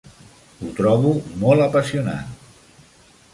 Ho trobo molt apassionant.